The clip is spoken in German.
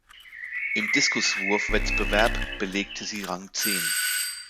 Im Diskuswurf-Wettbewerb belegte sie Rang zehn.